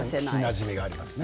なじみがありますね。